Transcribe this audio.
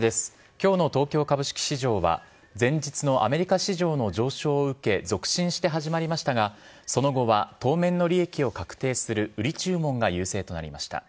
きょうの東京株式市場は、前日のアメリカ市場の上昇を受け、続伸して始まりましたが、その後は当面の利益を確定する売り注文が優勢となりました。